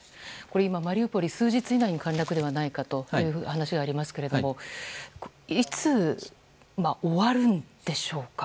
今、マリウポリ数日以内に陥落ではないかという話がありますけれどもいつ終わるんでしょうか。